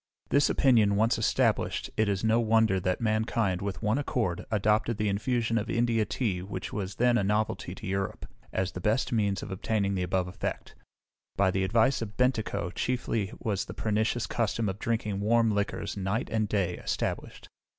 This opinion once established, it is no wonder that mankind, with one accord, adopted the infusion of India tea, which was then a novelty to Europe, as the best means of obtaining the above effect. By the advice of Bentikoe chiefly was the pernicious custom of drinking warm liquors, night and day, established.